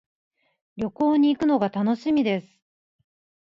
旅行に行くのが楽しみです。